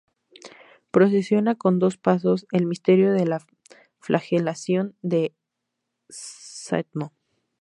Procesiona con dos pasos, el misterio de la Flagelación del Stmo.